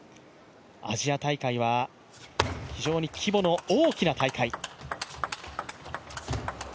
アジア大会は非常に規模の大きな大会。